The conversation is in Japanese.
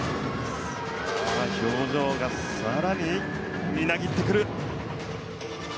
表情が更にみなぎってくる。